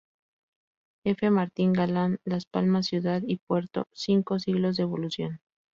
F. Martín Galán, Las Palmas Ciudad y Puerto: Cinco siglos de Evolución.